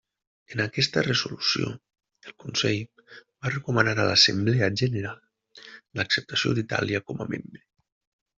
En aquesta resolució, el Consell va recomanar a l'Assemblea General l'acceptació d'Itàlia com a membre.